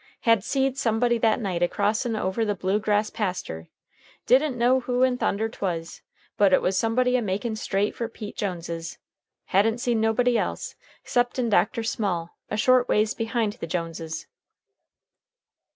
Had seed somebody that night a crossin' over the blue grass paster. Didn't know who in thunder 'twas, but it was somebody a makin' straight fer Pete Jones's. Hadn't seed nobody else, 'ceptin' Dr. Small, a short ways behind the Joneses.